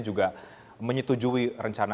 juga menyetujui rencana